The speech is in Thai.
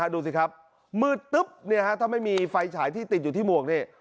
ดูสิครับมืดตึ๊บถ้าไม่มีไฟฉายที่ติดอยู่ที่หมวกนี่